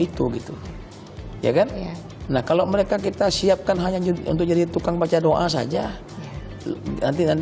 itu gitu ya kan nah kalau mereka kita siapkan hanya untuk jadi tukang baca doa saja nanti